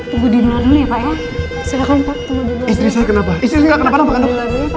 tunggu di luar dulu ya pak